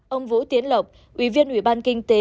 ông vũ tiến lộc ủy viên ủy ban kinh tế